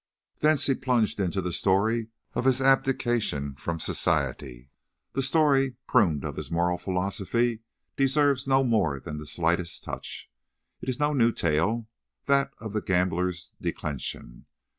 Thence he plunged into the story of his abdication from society. The story, pruned of his moral philosophy, deserves no more than the slightest touch. It is no new tale, that of the gambler's declension.